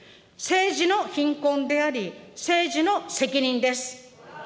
政治の貧困であり、政治の責任です。